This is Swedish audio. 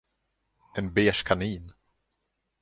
En beige kanin.